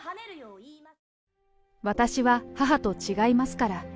私は母と違いますから。